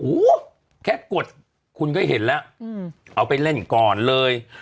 โอ้โหแค่กดคุณก็เห็นแล้วเอาไปเล่นก่อนเลย